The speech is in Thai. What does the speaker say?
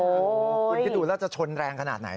คุณคิดดูแล้วจะชนแรงขนาดไหน